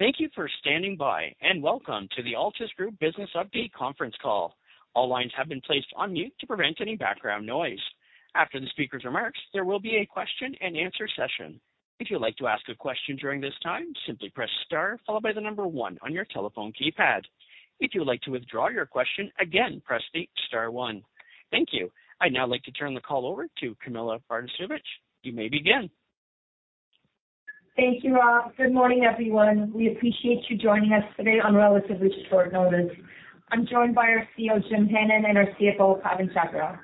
Thank you for standing by, and welcome to the Altus Group Business Update conference call. All lines have been placed on mute to prevent any background noise. After the speaker's remarks, there will be a question-and-answer session. If you'd like to ask a question during this time, simply press star followed by the number one on your telephone keypad. If you'd like to withdraw your question, again, press the star one. Thank you. I'd now like to turn the call over to Camilla Bartosiewicz. You may begin. Thank you, Rob. Good morning, everyone. We appreciate you joining us today on relatively short notice. I'm joined by our CEO, Jim Hannon, and our CFO, Pawan Chhabra.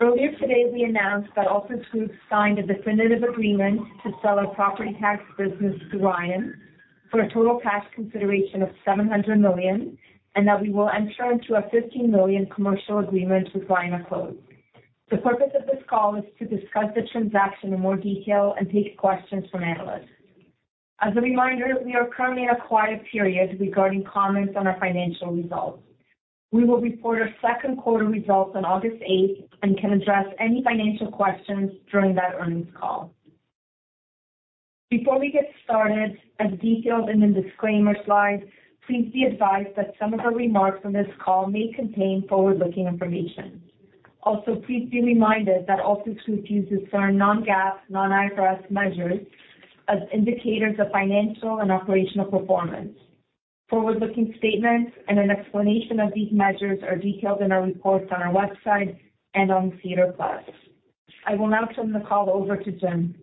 Earlier today, we announced that Altus Group signed a definitive agreement to sell a property tax business to Ryan for a total cash consideration of $700 million and that we will enter into a $15 million commercial agreement with Ryan Accord. The purpose of this call is to discuss the transaction in more detail and take questions from analysts. As a reminder, we are currently in a quiet period regarding comments on our financial results. We will report our second quarter results on August 8th and can address any financial questions during that earnings call. Before we get started, as detailed in the disclaimer slide, please be advised that some of our remarks on this call may contain forward-looking information. Also, please be reminded that Altus Group uses certain non-GAAP, non-IFRS measures as indicators of financial and operational performance. Forward-looking statements and an explanation of these measures are detailed in our reports on our website and on SEDAR+. I will now turn the call over to Jim.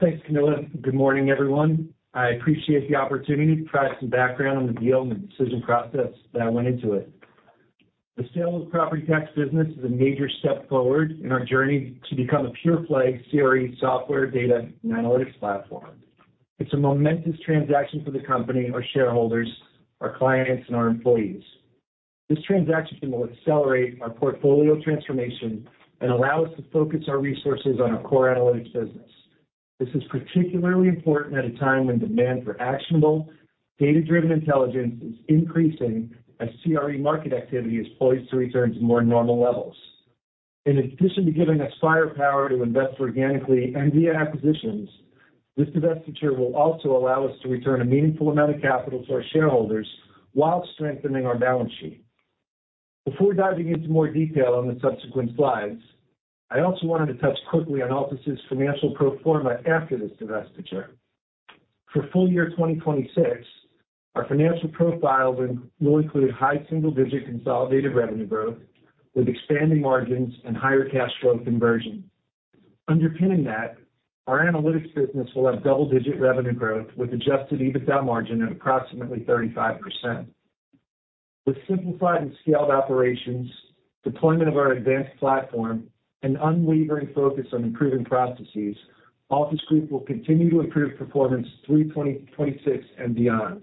Thanks, Camilla. Good morning, everyone. I appreciate the opportunity to provide some background on the deal and the decision process that went into it. The sale of the property tax business is a major step forward in our journey to become a pure-play CRE software, data, and analytics platform. It's a momentous transaction for the company, our shareholders, our clients, and our employees. This transaction will accelerate our portfolio transformation and allow us to focus our resources on our core analytics business. This is particularly important at a time when demand for actionable, data-driven intelligence is increasing as CRE market activity is poised to return to more normal levels. In addition to giving us firepower to invest organically and via acquisitions, this divestiture will also allow us to return a meaningful amount of capital to our shareholders while strengthening our balance sheet. Before diving into more detail on the subsequent slides, I also wanted to touch quickly on Altus's financial pro forma after this divestiture. For full year 2026, our financial profile will include high single-digit consolidated revenue growth with expanding margins and higher cash flow conversion. Underpinning that, our analytics business will have double-digit revenue growth with Adjusted EBITDA margin at approximately 35%. With simplified and scaled operations, deployment of our advanced platform, and unwavering focus on improving processes, Altus Group will continue to improve performance through 2026 and beyond.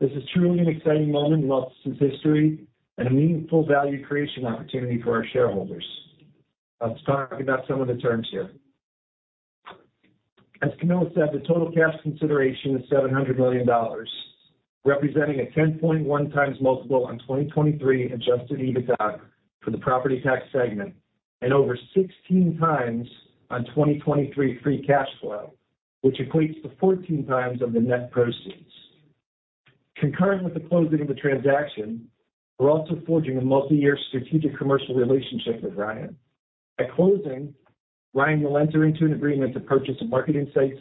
This is truly an exciting moment in Altus's history and a meaningful value creation opportunity for our shareholders. I'll just talk about some of the terms here. As Camilla said, the total cash consideration is $700 million, representing a 10.1x multiple on 2023 adjusted EBITDA for the property tax segment and over 16x on 2023 free cash flow, which equates to 14x of the net proceeds. Concurrent with the closing of the transaction, we're also forging a multi-year strategic commercial relationship with Ryan. At closing, Ryan will enter into an agreement to purchase a market insights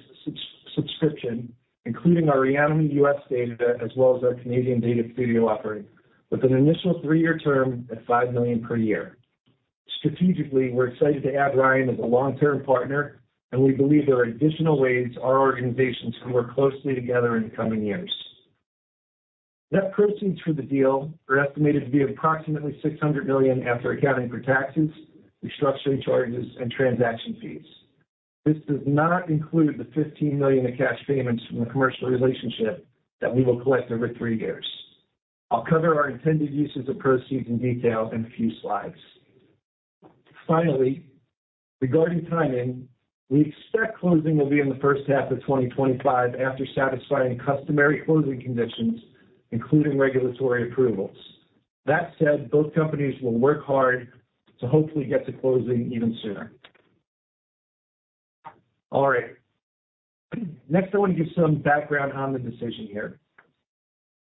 subscription, including our Reonomy U.S. data as well as our Canadian Data Studio offering, with an initial three-year term at $5 million per year. Strategically, we're excited to add Ryan as a long-term partner, and we believe there are additional ways our organizations can work closely together in the coming years. Net proceeds for the deal are estimated to be approximately $600 million after accounting for taxes, restructuring charges, and transaction fees. This does not include the $15 million in cash payments from the commercial relationship that we will collect over three years. I'll cover our intended uses of proceeds in detail in a few slides. Finally, regarding timing, we expect closing will be in the first half of 2025 after satisfying customary closing conditions, including regulatory approvals. That said, both companies will work hard to hopefully get to closing even sooner. All right. Next, I want to give some background on the decision here.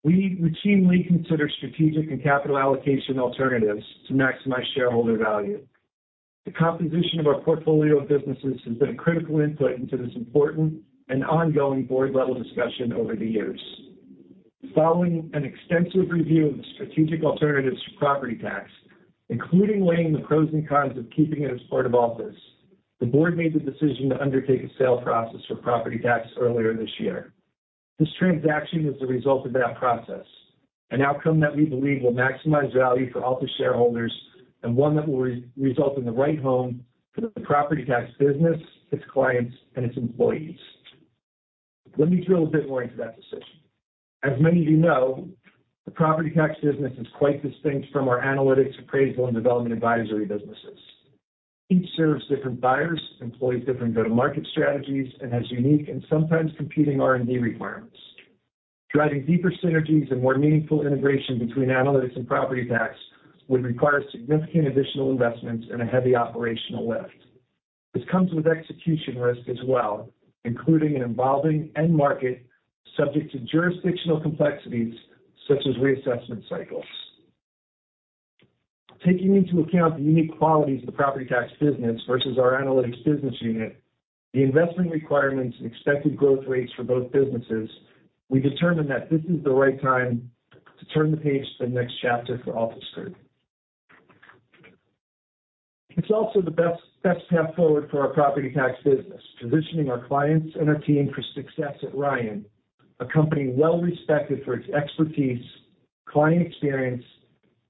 We routinely consider strategic and capital allocation alternatives to maximize shareholder value. The composition of our portfolio of businesses has been a critical input into this important and ongoing board-level discussion over the years. Following an extensive review of the strategic alternatives to property tax, including weighing the pros and cons of keeping it as part of Altus, the board made the decision to undertake a sale process for property tax earlier this year. This transaction is the result of that process, an outcome that we believe will maximize value for Altus shareholders and one that will result in the right home for the property tax business, its clients, and its employees. Let me drill a bit more into that decision. As many of you know, the property tax business is quite distinct from our analytics, appraisal, and development advisory businesses. Each serves different buyers, employs different go-to-market strategies, and has unique and sometimes competing R&D requirements. Driving deeper synergies and more meaningful integration between analytics and property tax would require significant additional investments and a heavy operational lift. This comes with execution risk as well, including an evolving end market subject to jurisdictional complexities such as reassessment cycles. Taking into account the unique qualities of the property tax business versus our analytics business unit, the investment requirements, and expected growth rates for both businesses, we determined that this is the right time to turn the page to the next chapter for Altus Group. It's also the best path forward for our property tax business, positioning our clients and our team for success at Ryan, a company well-respected for its expertise, client experience,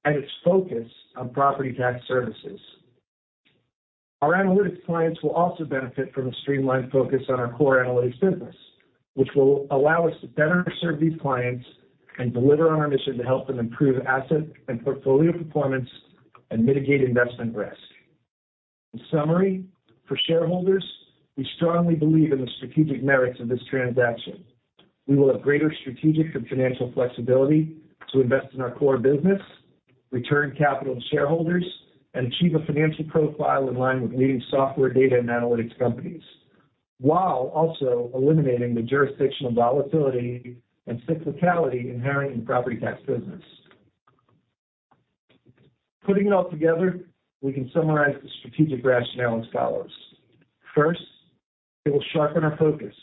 and its focus on property tax services. Our analytics clients will also benefit from a streamlined focus on our core analytics business, which will allow us to better serve these clients and deliver on our mission to help them improve asset and portfolio performance and mitigate investment risk. In summary, for shareholders, we strongly believe in the strategic merits of this transaction. We will have greater strategic and financial flexibility to invest in our core business, return capital to shareholders, and achieve a financial profile in line with leading software, data, and analytics companies, while also eliminating the jurisdictional volatility and cyclicality inherent in the property tax business. Putting it all together, we can summarize the strategic rationale as follows. First, it will sharpen our focus,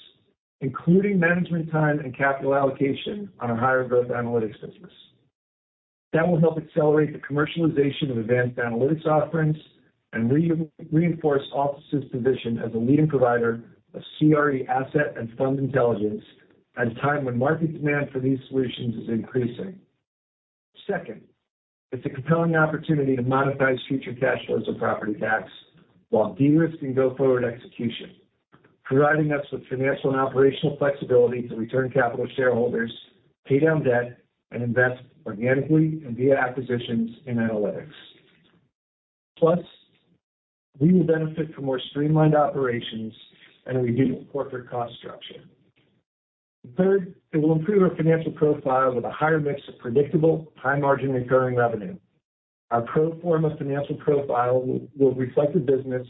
including management time and capital allocation on our higher-growth analytics business. That will help accelerate the commercialization of advanced analytics offerings and reinforce Altus's position as a leading provider of CRE asset and fund intelligence at a time when market demand for these solutions is increasing. Second, it's a compelling opportunity to monetize future cash flows of property tax while de-risking go-forward execution, providing us with financial and operational flexibility to return capital to shareholders, pay down debt, and invest organically and via acquisitions in analytics. Plus, we will benefit from more streamlined operations and a reduced corporate cost structure. Third, it will improve our financial profile with a higher mix of predictable, high-margin recurring revenue. Our pro forma financial profile will reflect the business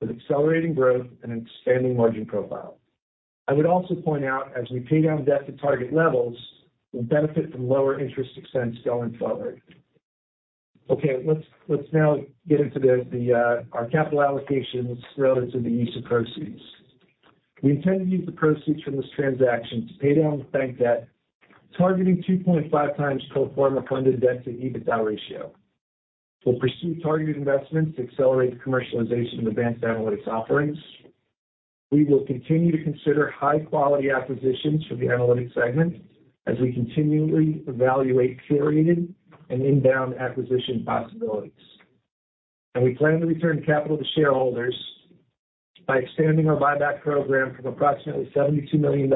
with accelerating growth and an expanding margin profile. I would also point out, as we pay down debt to target levels, we'll benefit from lower interest expense going forward. Okay, let's now get into our capital allocations relative to the use of proceeds. We intend to use the proceeds from this transaction to pay down bank debt, targeting 2.5x pro forma funded debt to EBITDA ratio. We'll pursue targeted investments to accelerate the commercialization of advanced analytics offerings. We will continue to consider high-quality acquisitions for the analytics segment as we continually evaluate curated and inbound acquisition possibilities. We plan to return capital to shareholders by expanding our buyback program from approximately $72 million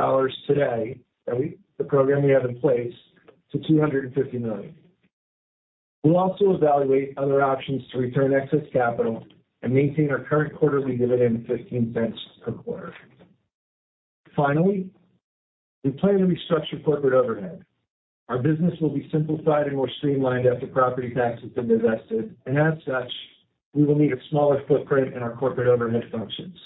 today, the program we have in place, to $250 million. We'll also evaluate other options to return excess capital and maintain our current quarterly dividend of $0.15 per quarter. Finally, we plan to restructure corporate overhead. Our business will be simplified and more streamlined after property taxes have been divested, and as such, we will need a smaller footprint in our corporate overhead functions.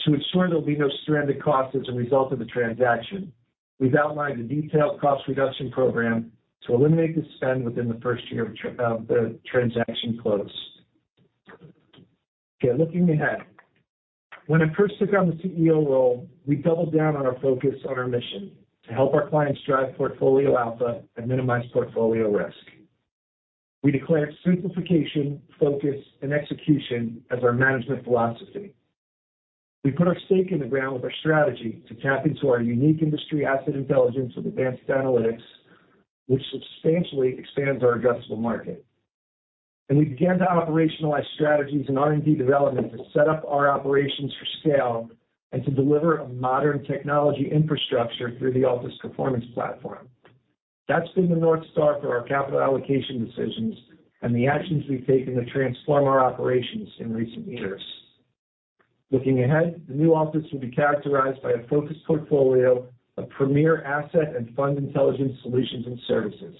To ensure there will be no stranded costs as a result of the transaction, we've outlined a detailed cost reduction program to eliminate the spend within the first year of the transaction close. Okay, looking ahead. When I first took on the CEO role, we doubled down on our focus on our mission to help our clients drive portfolio alpha and minimize portfolio risk. We declared simplification, focus, and execution as our management philosophy. We put our stake in the ground with our strategy to tap into our unique industry asset intelligence with advanced analytics, which substantially expands our addressable market. We began to operationalize strategies and R&D development to set up our operations for scale and to deliver a modern technology infrastructure through the Altus Performance Platform. That's been the North Star for our capital allocation decisions and the actions we've taken to transform our operations in recent years. Looking ahead, the new Altus will be characterized by a focused portfolio of premier asset and fund intelligence solutions and services.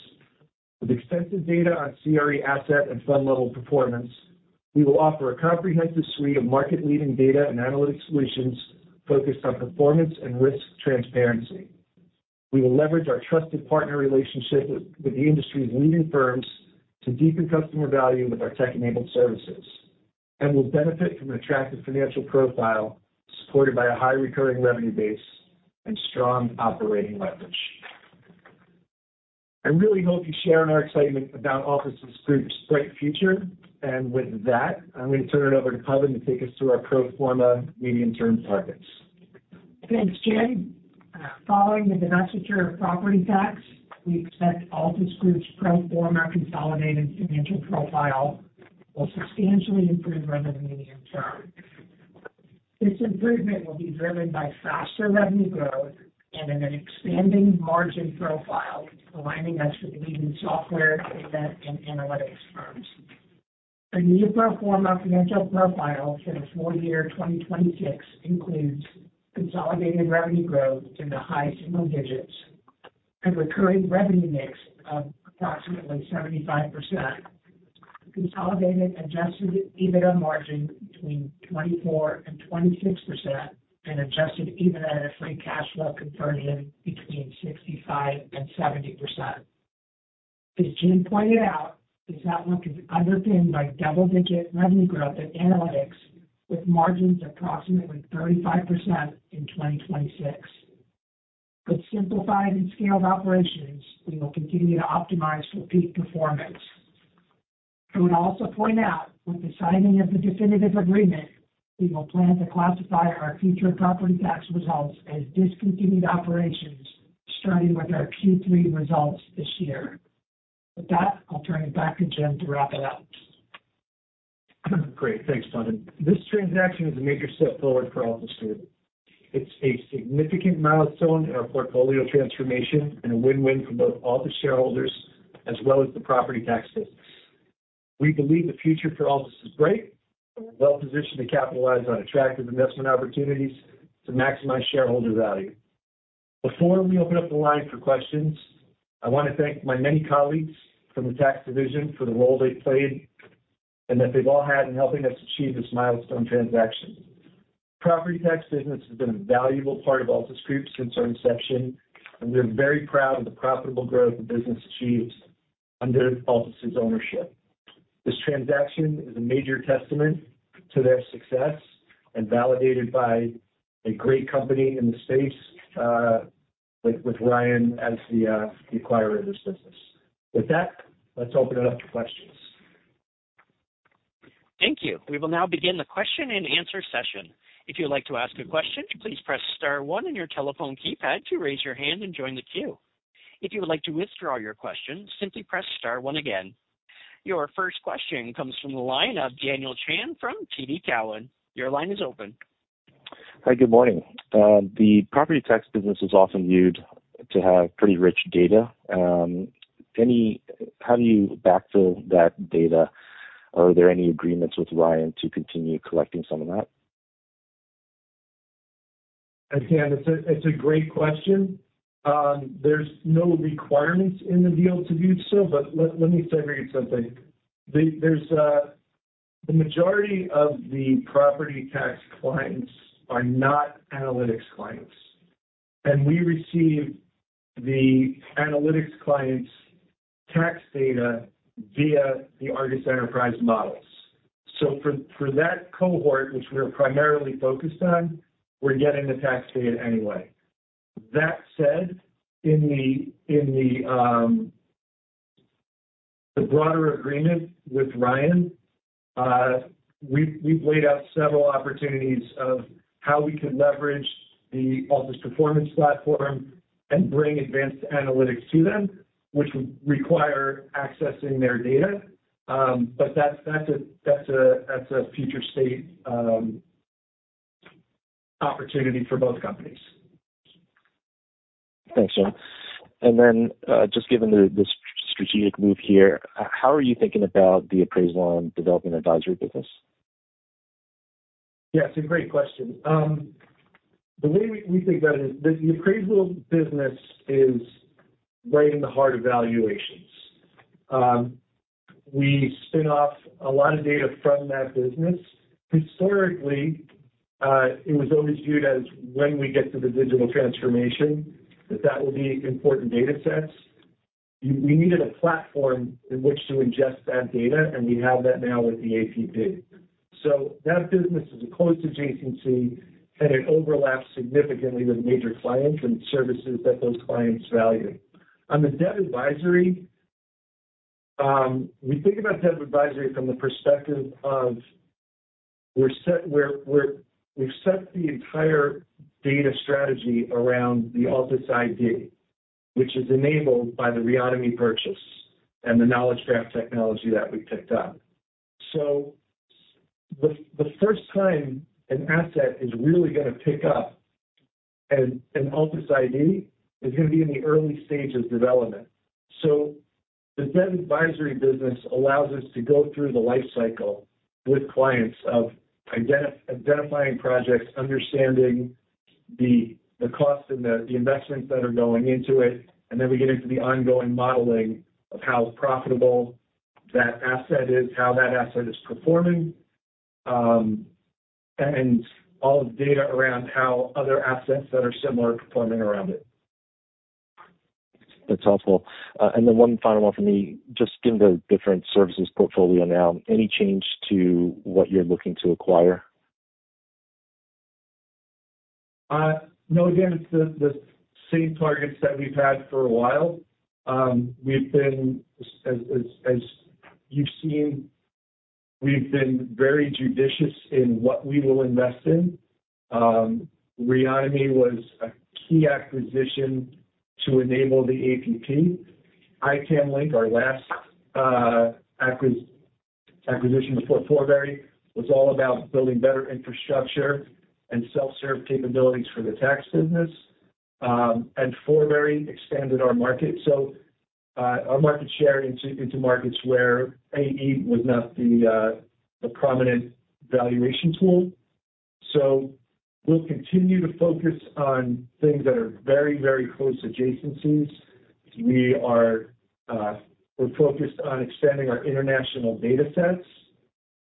With extensive data on CRE asset and fund-level performance, we will offer a comprehensive suite of market-leading data and analytic solutions focused on performance and risk transparency. We will leverage our trusted partner relationship with the industry's leading firms to deepen customer value with our tech-enabled services and will benefit from an attractive financial profile supported by a high recurring revenue base and strong operating leverage. I really hope you share in our excitement about Altus Group's bright future. With that, I'm going to turn it over to Pawan to take us through our pro forma medium-term targets. Thanks, Jim. Following the divestiture of property tax, we expect Altus Group's pro forma consolidated financial profile will substantially improve over the medium term. This improvement will be driven by faster revenue growth and an expanding margin profile aligning us with leading software, data, and analytics firms. The new pro forma financial profile for the full year 2026 includes consolidated revenue growth in the high single digits and recurring revenue mix of approximately 75%, consolidated adjusted EBITDA margin between 24%-26%, and adjusted EBITDA to free cash flow conversion between 65%-70%. As Jim pointed out, this outlook is underpinned by double-digit revenue growth in analytics with margins approximately 35% in 2026. With simplified and scaled operations, we will continue to optimize for peak performance. I would also point out, with the signing of the definitive agreement, we will plan to classify our future property tax results as discontinued operations starting with our Q3 results this year. With that, I'll turn it back to Jim to wrap it up. Great. Thanks, Pawan. This transaction is a major step forward for Altus Group. It's a significant milestone in our portfolio transformation and a win-win for both Altus shareholders as well as the property tax business. We believe the future for Altus is bright, well-positioned to capitalize on attractive investment opportunities to maximize shareholder value. Before we open up the line for questions, I want to thank my many colleagues from the tax division for the role they've played and that they've all had in helping us achieve this milestone transaction. The property tax business has been a valuable part of Altus Group since our inception, and we are very proud of the profitable growth the business achieved under Altus's ownership. This transaction is a major testament to their success and validated by a great company in the space with Ryan as the acquirer of this business. With that, let's open it up to questions. Thank you. We will now begin the question-and-answer session. If you'd like to ask a question, please press star one on your telephone keypad to raise your hand and join the queue. If you would like to withdraw your question, simply press star one again. Your first question comes from the line of Daniel Chan from TD Cowen. Your line is open. Hi, good morning. The property tax business is often viewed to have pretty rich data. How do you backfill that data, or are there any agreements with Ryan to continue collecting some of that? Again, it's a great question. There's no requirements in the deal to do so, but let me segregate something. The majority of the property tax clients are not analytics clients, and we receive the analytics clients' tax data via the ARGUS Enterprise models. So for that cohort, which we're primarily focused on, we're getting the tax data anyway. That said, in the broader agreement with Ryan, we've laid out several opportunities of how we could leverage the Altus Performance Platform and bring advanced analytics to them, which would require accessing their data. But that's a future-state opportunity for both companies. Thanks, Jim. And then just given this strategic move here, how are you thinking about the Appraisals and Development Advisory business? Yeah, it's a great question. The way we think about it is the appraisal business is right in the heart of valuations. We spin off a lot of data from that business. Historically, it was always viewed as when we get to the digital transformation that that will be important data sets. We needed a platform in which to ingest that data, and we have that now with the APP. So that business is a close adjacency, and it overlaps significantly with major clients and services that those clients value. On the debt advisory, we think about debt advisory from the perspective of we've set the entire data strategy around the Altus ID, which is enabled by the Reonomy purchase and the Knowledge Graph technology that we picked up. So the first time an asset is really going to pick up an Altus ID is going to be in the early stage of development. So the debt advisory business allows us to go through the life cycle with clients of identifying projects, understanding the cost and the investments that are going into it, and then we get into the ongoing modeling of how profitable that asset is, how that asset is performing, and all of the data around how other assets that are similar are performing around it. That's helpful. And then one final one from me. Just given the different services portfolio now, any change to what you're looking to acquire? No, again, it's the same targets that we've had for a while. We've been, as you've seen, we've been very judicious in what we will invest in. Reonomy was a key acquisition to enable the APP. itamlink, our last acquisition before Forbury, was all about building better infrastructure and self-serve capabilities for the tax business. And Forbury expanded our market, so our market share into markets where AE was not the prominent valuation tool. So we'll continue to focus on things that are very, very close adjacencies. We're focused on expanding our international data sets,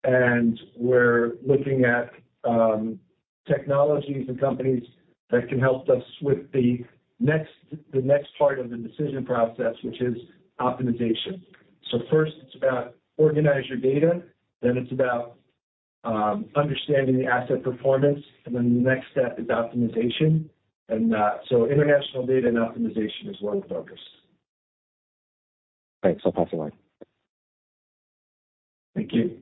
and we're looking at technologies and companies that can help us with the next part of the decision process, which is optimization. So first, it's about organize your data. Then it's about understanding the asset performance, and then the next step is optimization. And so international data and optimization is where we focus. Thanks. I'll pass it away. Thank you.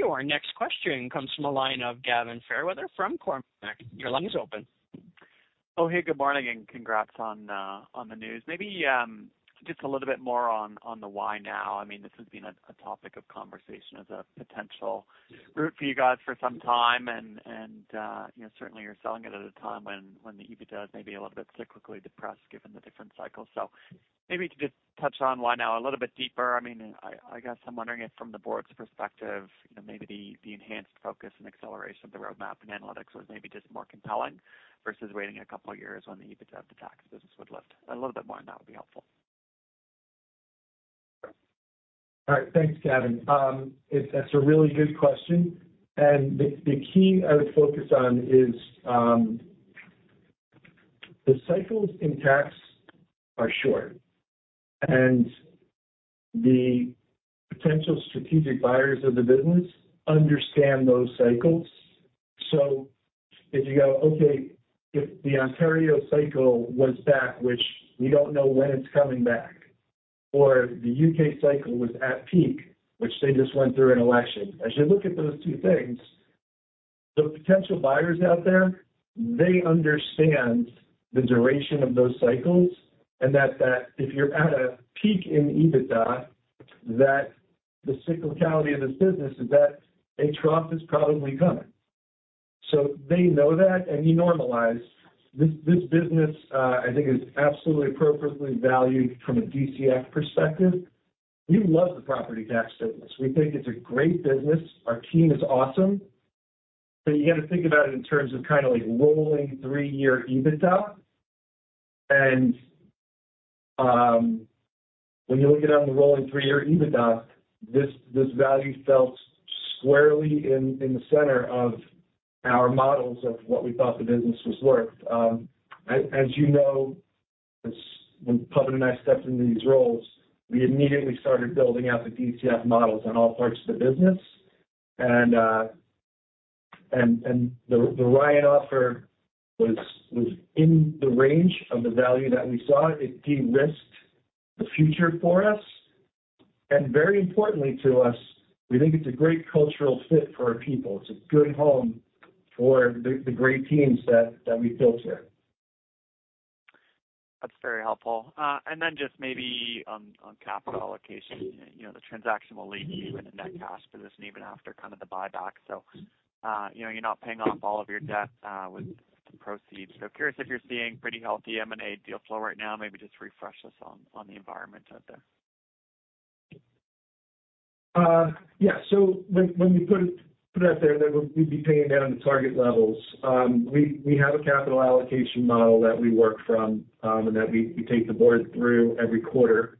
Your next question comes from a line of Gavin Fairweather from Cormark. Your line is open. Oh, hey, good morning, and congrats on the news. Maybe just a little bit more on the why now. I mean, this has been a topic of conversation as a potential route for you guys for some time, and certainly you're selling it at a time when the EBITDA is maybe a little bit cyclically depressed given the different cycles. So maybe to just touch on why now a little bit deeper. I mean, I guess I'm wondering if from the board's perspective, maybe the enhanced focus and acceleration of the roadmap and analytics was maybe just more compelling versus waiting a couple of years when the EBITDA of the tax business would lift a little bit more, and that would be helpful. All right. Thanks, Gavin. That's a really good question. And the key I would focus on is the cycles in tax are short, and the potential strategic buyers of the business understand those cycles. So if you go, "Okay, if the Ontario cycle was back, which we don't know when it's coming back, or the U.K. cycle was at peak, which they just went through an election," as you look at those two things, the potential buyers out there, they understand the duration of those cycles and that if you're at a peak in EBITDA, that the cyclicality of this business is that a trough is probably coming. So they know that, and you normalize. This business, I think, is absolutely appropriately valued from a DCF perspective. We love the property tax business. We think it's a great business. Our team is awesome. But you got to think about it in terms of kind of like rolling three-year EBITDA. And when you look at it on the rolling three-year EBITDA, this value felt squarely in the center of our models of what we thought the business was worth. As you know, when Pawan and I stepped into these roles, we immediately started building out the DCF models on all parts of the business. And the Ryan offer was in the range of the value that we saw. It de-risked the future for us. And very importantly to us, we think it's a great cultural fit for our people. It's a good home for the great teams that we've built here. That's very helpful. And then just maybe on capital allocation, the transaction will lead to a net cash position even after kind of the buyback. So you're not paying off all of your debt with the proceeds. So curious if you're seeing pretty healthy M&A deal flow right now. Maybe just refresh us on the environment out there. Yeah. So when you put it out there, we'd be paying down the target levels. We have a capital allocation model that we work from and that we take the board through every quarter.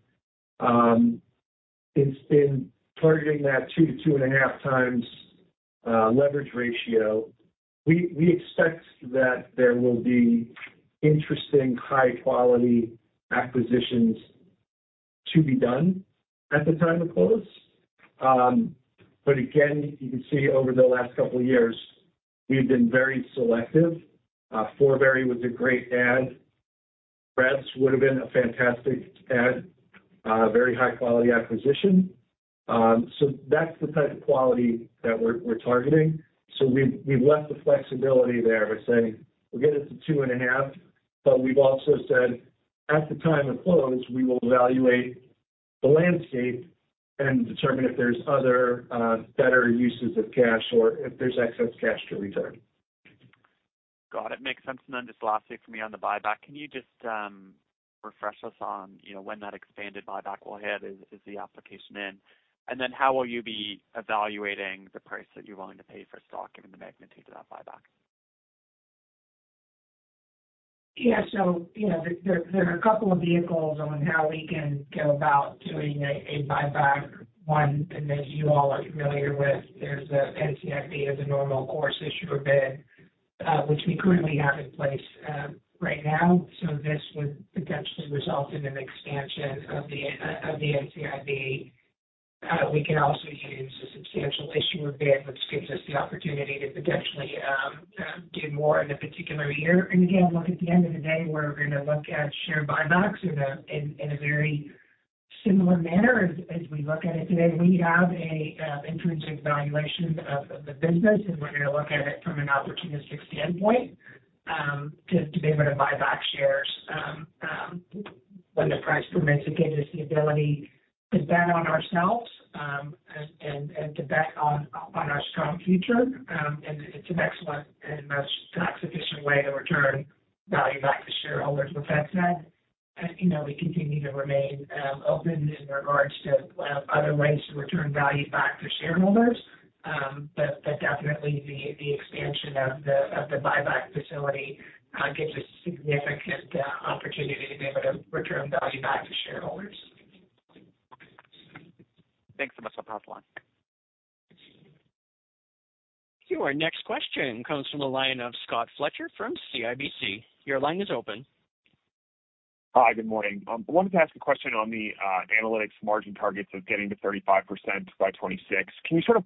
In targeting that 2x-2.5x leverage ratio, we expect that there will be interesting high-quality acquisitions to be done at the time of close. But again, you can see over the last couple of years, we've been very selective. Forbury was a great add. REBS would have been a fantastic add, very high-quality acquisition. So that's the type of quality that we're targeting. So we've left the flexibility there by saying, "We'll get it to 2.5," but we've also said, "At the time of close, we will evaluate the landscape and determine if there's other better uses of cash or if there's excess cash to return. Got it. Makes sense. And then just lastly for me on the buyback, can you just refresh us on when that expanded buyback will hit, as the application is in? And then how will you be evaluating the price that you're willing to pay for stock given the magnitude of that buyback? Yeah. So there are a couple of vehicles on how we can go about doing a buyback. One that you all are familiar with, there's the NCIB as a normal course issuer bid, which we currently have in place right now. So this would potentially result in an expansion of the NCIB. We can also use a substantial issuer bid, which gives us the opportunity to potentially do more in a particular year. And again, look, at the end of the day, we're going to look at share buybacks in a very similar manner as we look at it today. We have an intrinsic valuation of the business, and we're going to look at it from an opportunistic standpoint to be able to buy back shares when the price permits. It gives us the ability to bet on ourselves and to bet on our strong future. It's an excellent and most tax-efficient way to return value back to shareholders. With that said, we continue to remain open in regards to other ways to return value back to shareholders. But definitely, the expansion of the buyback facility gives us a significant opportunity to be able to return value back to shareholders. Thanks so much. I'll pass the line. Your next question comes from the line of Scott Fletcher from CIBC. Your line is open. Hi, good morning. I wanted to ask a question on the analytics margin targets of getting to 35% by 2026. Can you sort of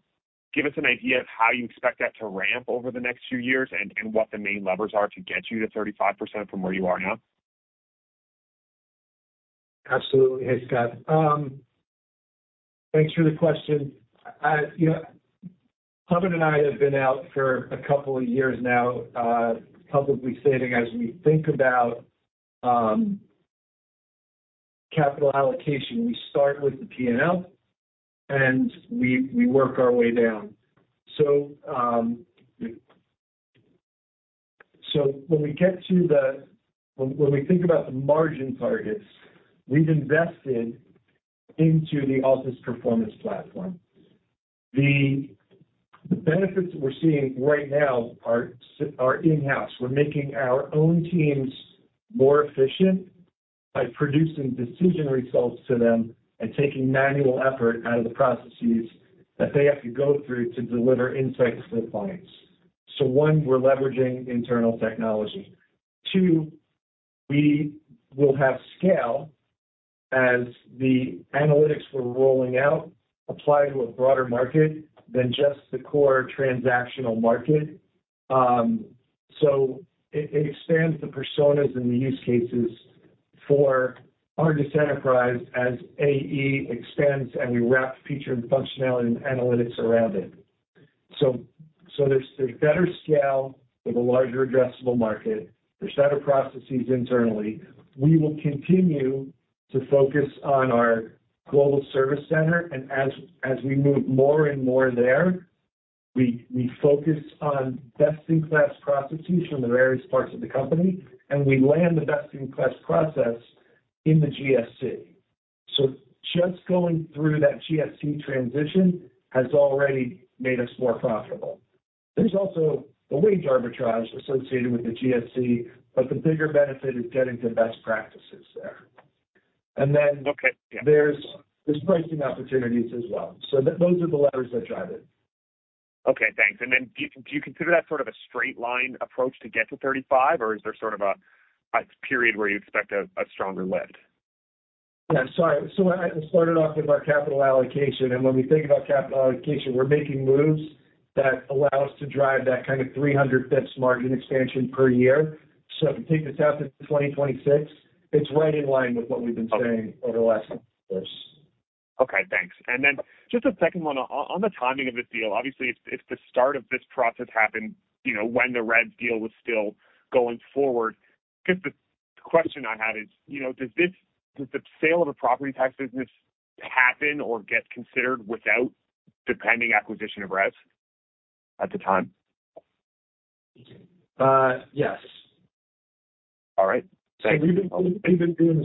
give us an idea of how you expect that to ramp over the next few years and what the main levers are to get you to 35% from where you are now? Absolutely. Hey, Scott. Thanks for the question. Pawan and I have been out for a couple of years now publicly stating as we think about capital allocation, we start with the P&L, and we work our way down. So when we get to the margin targets, we've invested into the Altus Performance Platform. The benefits that we're seeing right now are in-house. We're making our own teams more efficient by producing decision results to them and taking manual effort out of the processes that they have to go through to deliver insights to the clients. So one, we're leveraging internal technology. Two, we will have scale as the analytics we're rolling out apply to a broader market than just the core transactional market. So it expands the personas and the use cases for ARGUS Enterprise as AE expands and we wrap feature and functionality and analytics around it. So there's better scale with a larger addressable market. There's better processes internally. We will continue to focus on our global service center. And as we move more and more there, we focus on best-in-class processes from the various parts of the company, and we land the best-in-class process in the GSC. So just going through that GSC transition has already made us more profitable. There's also a wage arbitrage associated with the GSC, but the bigger benefit is getting to best practices there. And then there's pricing opportunities as well. So those are the levers that drive it. Okay. Thanks. And then do you consider that sort of a straight-line approach to get to 35, or is there sort of a period where you expect a stronger lift? Yeah. Sorry. I started off with our capital allocation. When we think about capital allocation, we're making moves that allow us to drive that kind of 300-bips margin expansion per year. If you take this out to 2026, it's right in line with what we've been saying over the last couple of years. Okay. Thanks. And then just a second one. On the timing of this deal, obviously, if the start of this process happened when the REBS deal was still going forward, I guess the question I have is, does the sale of a property tax business happen or get considered without the pending acquisition of REBS at the time? Yes. All right. Thanks. We've been doing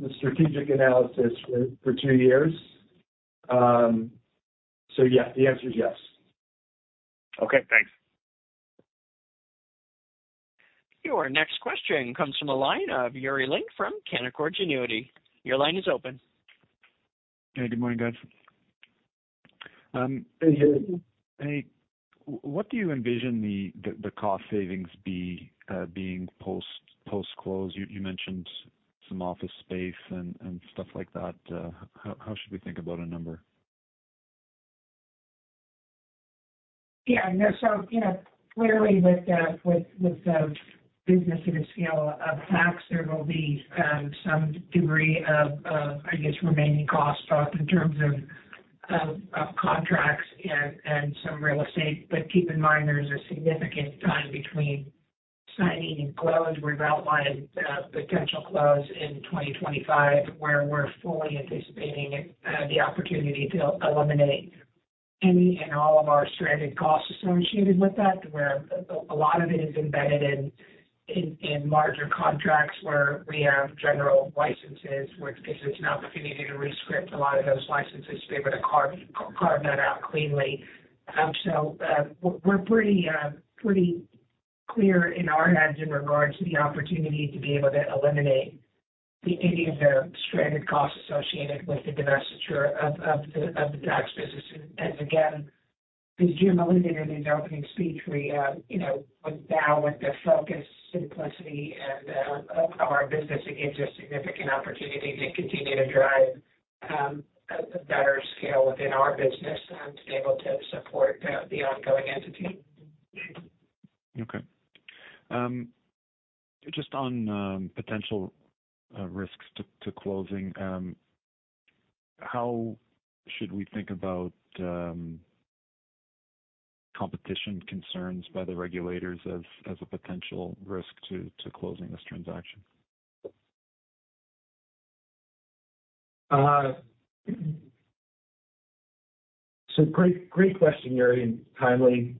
the strategic analysis for two years. Yeah, the answer is yes. Okay. Thanks. Your next question comes from the line of Yuri Lynk from Canaccord Genuity. Your line is open. Hey, good morning, guys. Hey, here. Hey. What do you envision the cost savings being post-close? You mentioned some office space and stuff like that. How should we think about a number? Yeah. So clearly, with the business at a scale of tax, there will be some degree of, I guess, remaining cost up in terms of contracts and some real estate. But keep in mind, there's a significant time between signing and close. We've outlined potential close in 2025, where we're fully anticipating the opportunity to eliminate any and all of our stranded costs associated with that, where a lot of it is embedded in larger contracts where we have general licenses, which gives us an opportunity to rescript a lot of those licenses to be able to carve that out cleanly. So we're pretty clear in our heads in regards to the opportunity to be able to eliminate any of the stranded costs associated with the divestiture of the tax business. Again, as Jim alluded in his opening speech, now with the focus, simplicity, and our business, it gives us significant opportunity to continue to drive a better scale within our business and to be able to support the ongoing entity. Okay. Just on potential risks to closing, how should we think about competition concerns by the regulators as a potential risk to closing this transaction? So great question, Yuri, and timely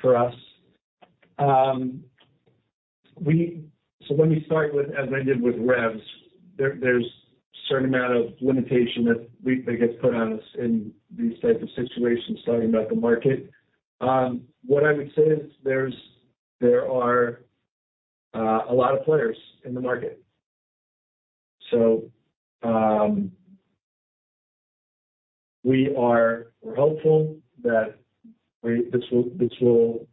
for us. So let me start with, as I did with REBS. There's a certain amount of limitation that gets put on us in these types of situations talking about the market. What I would say is there are a lot of players in the market. So we are hopeful that this will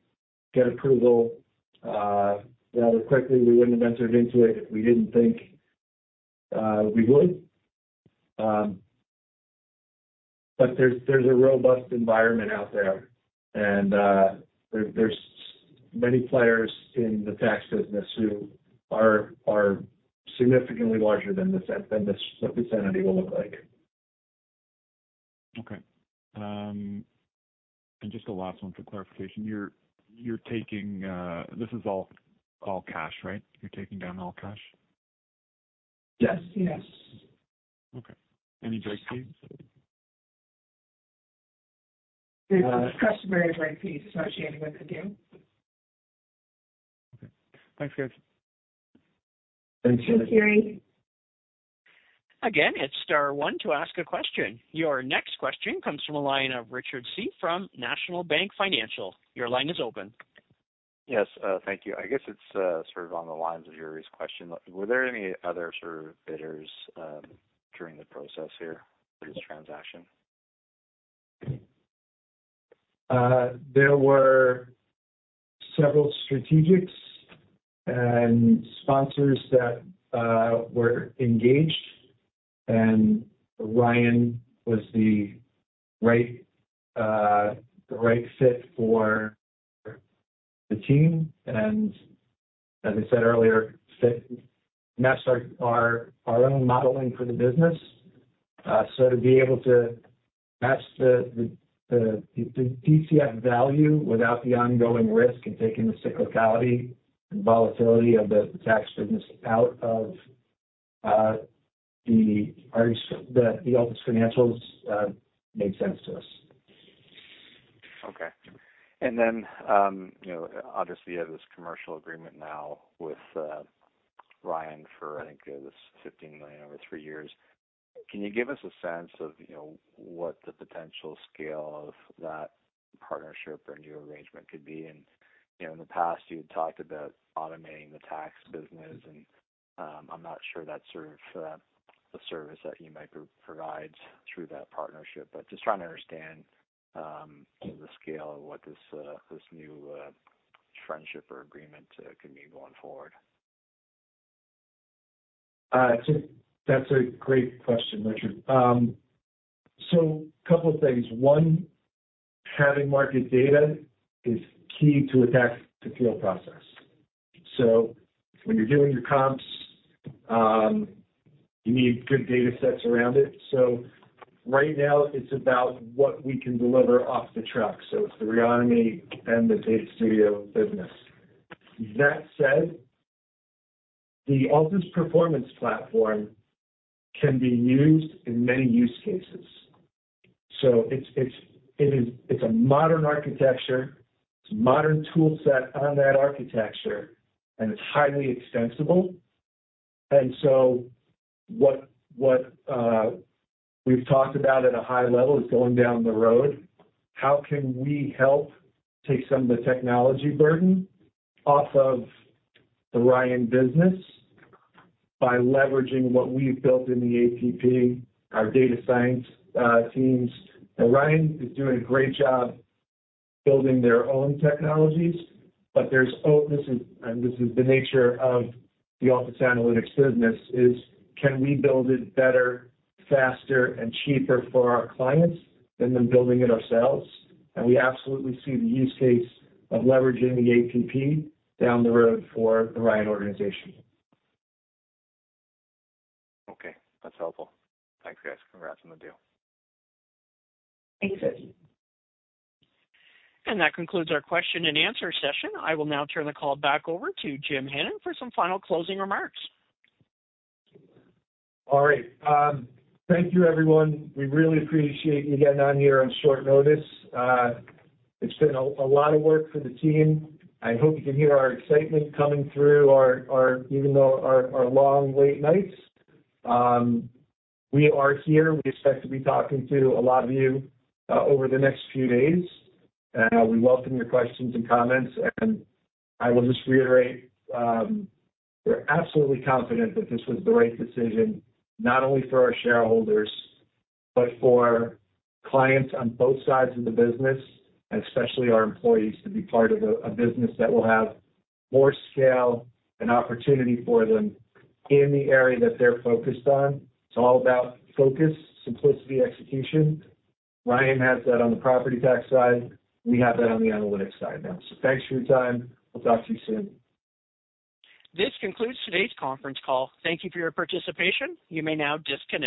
get approval rather quickly. We wouldn't have entered into it if we didn't think we would. But there's a robust environment out there, and there's many players in the tax business who are significantly larger than what this entity will look like. Okay. Just the last one for clarification. This is all cash, right? You're taking down all cash? Yes. Yes. Okay. Any breakthrough? There's a customary breakthrough associated with the deal. Okay. Thanks, guys. Thanks. Thanks, Yuri. Again, it's star one to ask a question. Your next question comes from a line of Richard Tse from National Bank Financial. Your line is open. Yes. Thank you. I guess it's sort of on the lines of Yuri's question. Were there any other sort of bidders during the process here for this transaction? There were several strategics and sponsors that were engaged, and Ryan was the right fit for the team. As I said earlier, it matched our own modeling for the business. To be able to match the DCF value without the ongoing risk and taking the cyclicality and volatility of the tax business out of the Altus financials made sense to us. Okay. And then obviously, you have this commercial agreement now with Ryan for, I think, this $15 million over three years. Can you give us a sense of what the potential scale of that partnership or new arrangement could be? And in the past, you had talked about automating the tax business, and I'm not sure that's sort of the service that you might provide through that partnership. But just trying to understand the scale of what this new friendship or agreement could mean going forward. That's a great question, Richard. So a couple of things. One, having market data is key to a tax appeal process. So when you're doing your comps, you need good data sets around it. So right now, it's about what we can deliver off the truck. So it's the Reonomy and the Data Studio business. That said, the Altus Performance Platform can be used in many use cases. So it's a modern architecture. It's a modern toolset on that architecture, and it's highly extensible. And so what we've talked about at a high level is going down the road. How can we help take some of the technology burden off of the Ryan business by leveraging what we've built in the APP, our data science teams? And Ryan is doing a great job building their own technologies. But this is the nature of the Altus Analytics business: can we build it better, faster, and cheaper for our clients than them building it ourselves? And we absolutely see the use case of leveraging the APP down the road for the Ryan organization. Okay. That's helpful. Thanks, guys. Congrats on the deal. Thanks, guys. That concludes our question-and-answer session. I will now turn the call back over to Jim Hannon for some final closing remarks. All right. Thank you, everyone. We really appreciate you getting on here on short notice. It's been a lot of work for the team. I hope you can hear our excitement coming through even though our long, late nights. We are here. We expect to be talking to a lot of you over the next few days. We welcome your questions and comments. I will just reiterate, we're absolutely confident that this was the right decision, not only for our shareholders but for clients on both sides of the business, and especially our employees, to be part of a business that will have more scale and opportunity for them in the area that they're focused on. It's all about focus, simplicity, execution. Ryan has that on the property tax side. We have that on the analytics side now. So thanks for your time. We'll talk to you soon. This concludes today's conference call. Thank you for your participation. You may now disconnect.